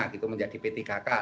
gitu menjadi p tiga k